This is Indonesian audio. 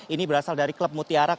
ini berasal dari klub mutiara